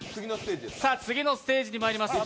次のステージにまいります。